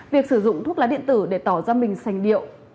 việc sử dụng thuốc lá điện tử để tỏ ra mình sành điệu